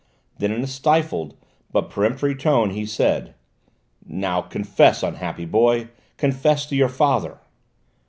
Then in a stifled but peremptory tone he said: "Now confess, unhappy boy! Confess to your father!"